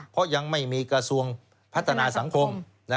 เพราะยังไม่มีกระทรวงพัฒนาสังคม